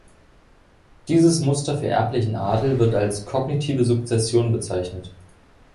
Dieses Muster für erblichen Adel wird als "kognitive Sukzession" bezeichnet.